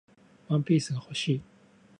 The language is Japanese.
ワンピースが欲しい